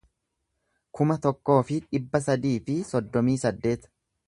kuma tokkoo fi dhibba sadii fi soddomii saddeet